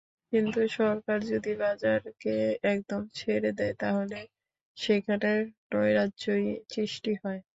কিন্তু সরকার যদি বাজারকে একদম ছেড়ে দেয়, তাহলে সেখানে নৈরাজ্যই সৃষ্টি হয়।